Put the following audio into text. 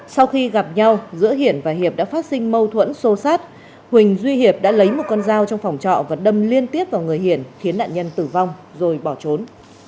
sau khi gặp nhau giữa hiển và hiệp đã phát sinh mâu thuẫn sô sát huỳnh duy hiệp đã lấy một con dao trong phòng trọ và đâm liên tiếp vào người hiển khiến nạn nhân tử vong rồi bỏ trốn